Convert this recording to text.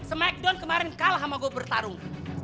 smackdown kemarin kalah sama gue bertarung